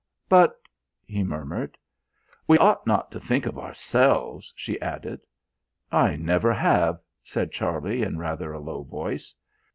"But " he murmured. "We ought not to think of ourselves," she added. "I never have," said Charlie in rather a low voice.